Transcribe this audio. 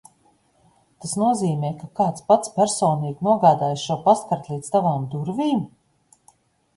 Tas nozīmē, ka kāds pats personīgi nogādājis šo pastkarti līdz tavām durvīm?